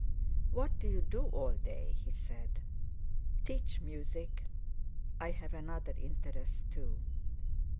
"What do you do all day?" he said. "Teach music; I have another interest, too."